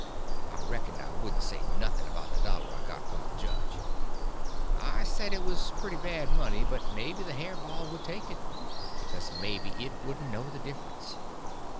(I reckoned I wouldn't say nothing about the dollar I got from the judge.) I said it was pretty bad money, but maybe the hair ball would take it, because maybe it wouldn't know the difference.